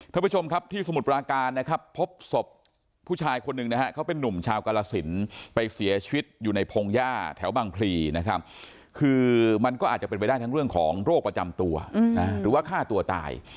ท่านผู้ชมครับที่สมุทรปราการนะครับพบศพผู้ชายคนหนึ่งนะฮะเขาเป็นนุ่มชาวกรสินไปเสียชีวิตอยู่ในพงหญ้าแถวบางพลีนะครับคือมันก็อาจจะเป็นไปได้ทั้งเรื่องของโรคประจำตัวหรือว่าฆ่าตัวตาย